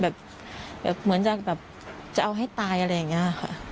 แบบเหมือนจะแบบจะเอาให้ตายอะไรอย่างนี้ค่ะ